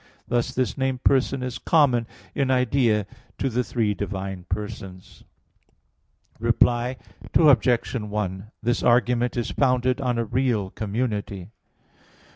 Thus this name "person" is common in idea to the three divine persons. Reply Obj. 1: This argument is founded on a real community.